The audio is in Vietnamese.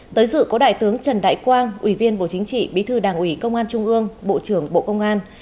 tới dự có đại tướng trần đại quang ủy viên bộ chính trị bí thư đảng ủy công an trung ương bộ trưởng bộ công an